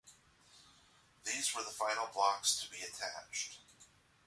These were the final blocks to be attached.